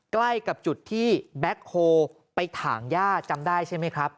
ใกล้กับจุดที่แบ็คโฮลไปถ่างย่าจำได้ใช่ไหมครับ